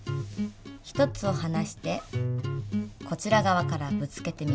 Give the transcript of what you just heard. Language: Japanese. １つを離してこちら側からぶつけてみます。